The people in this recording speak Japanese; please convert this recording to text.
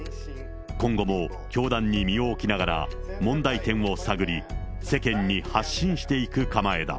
今後も教団に身を置きながら、問題点を探り、世間に発信していく構えだ。